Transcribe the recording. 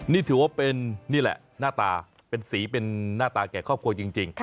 นี่ถือว่าเป็นนี่แหละหน้าตาเป็นสีเป็นหน้าตาแก่ครอบครัวจริง